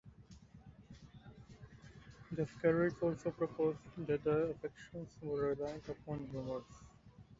Descartes also proposed that the affections were reliant upon humors.